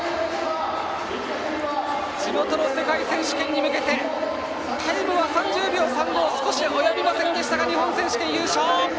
地元の世界選手権に向けてタイムは３０秒３５には少し及びませんでしたが日本選手権優勝！